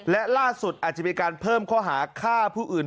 และล่าสุดอาจจะมีการเพิ่มข้อหาฆ่าผู้อื่น